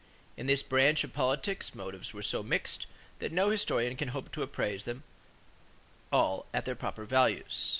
In this branch of politics, motives were so mixed that no historian can hope to appraise them all at their proper values.